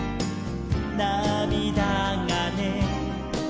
「なみだがね」